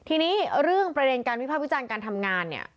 ทีนี้เรื่องประเด็นการวิภาควิจารณ์การทำงานเนี่ย